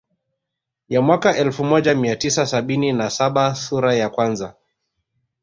Ya mwaka elfu moja mia tisa sabini na saba sura ya kwanza